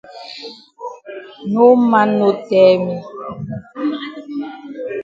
No man no tell me.